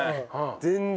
全然。